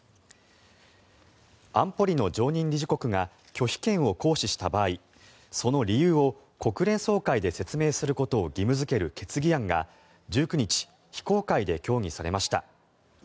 安保理の常任理事国が拒否権を行使した場合その理由を国連総会で説明することを義務付ける決議案が１９日非公開で協議されました。